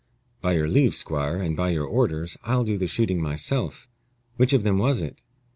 "By your leave, Squire, and by your orders, I'll do the shooting myself. Which of them was it?"